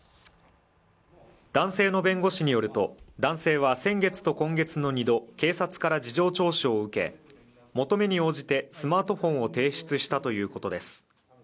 男性の弁護士によると、男性は先月と今月の２度、警察から事情聴取を受け求めに応じてスマートフォンを提出したということです。